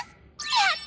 やった！